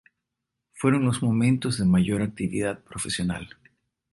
Fueron los momentos de mayor actividad profesional.